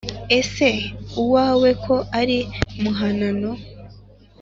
ese uwawe ko ari muhanano